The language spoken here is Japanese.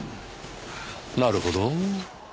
なるほど。